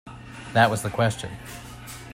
That was the question.